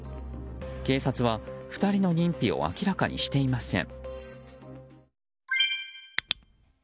警察は、２人の認否を明らかにしていません。